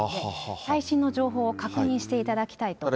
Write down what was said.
最新の情報を確認していただきたいと思います。